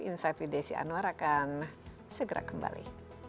insight with desi anwar akan segera kembali